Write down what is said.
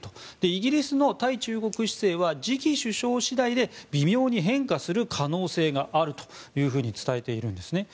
イギリスの対中国姿勢は次期首相次第で微妙に変化する可能性があると伝えているんですね。